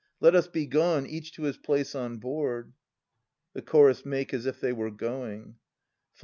Let us be gone, each to his place on board. [The Chorus make as if they were going. Phi.